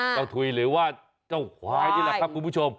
ถุยหรือว่าเจ้าควายนี่แหละครับคุณผู้ชม